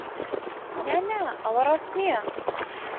نا، نا! ئەوە ڕاست نییە.